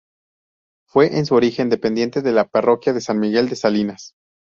Fue en su origen dependiente de la parroquia de San Miguel de Salinas.